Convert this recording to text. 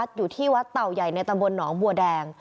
อยู่ที่วัดเต่าใหญ่ในตำบลหนองบัวแดง